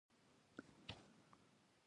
د حلال رزق برکت ابدي وي.